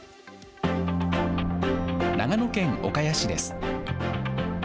長野県岡谷市です。